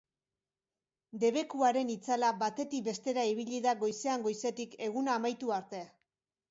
Debekuaren itzala batetik bestera ibili da goizean goizetik eguna amaitu arte.